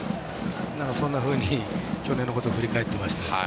そんなふうに去年のことを振り返っていました。